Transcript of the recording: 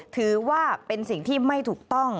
ถือว่าเป็นสิ่งที่ไม่ถูกต้อง